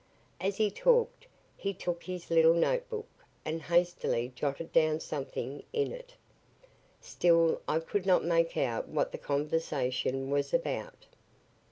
As he talked, he took his little notebook and hastily jotted down something in it. Still, I could not make out what the conversation was about.